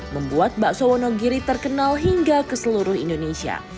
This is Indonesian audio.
membuat bakso wonogiri terkenal hingga ke seluruh indonesia